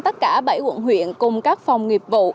tất cả bảy quận huyện cùng các phòng nghiệp vụ